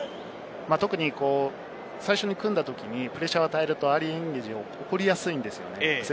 最初に組んだときにプレッシャーを与えると、アーリーエンゲージが起こりやすいんです。